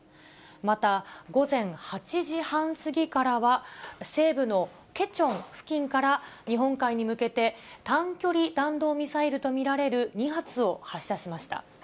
また、午前８時半過ぎからは、西部のケチョン付近から日本海に向けて、短距離弾道ミサイルと見られる２発を発射しました。